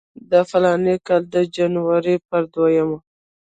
د فلاني کال د جنورۍ پر دویمه.